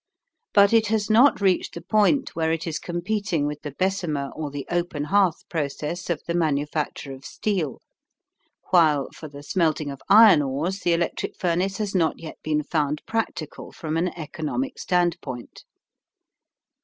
But it has not reached the point where it is competing with the Bessemer or the open hearth process of the manufacture of steel, while for the smelting of iron ores the electric furnace has not yet been found practical from an economic standpoint.